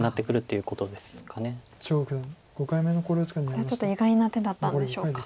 これはちょっと意外な手だったんでしょうか。